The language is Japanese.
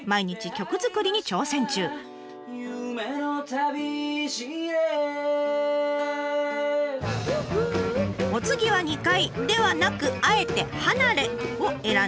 お次は２階ではなくあえて離れを選んだ変わり者。